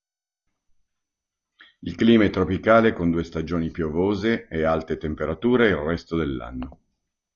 Il clima è tropicale con due stagioni piovose e alte temperature il resto dell'anno.